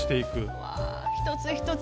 うわぁ一つ一つ。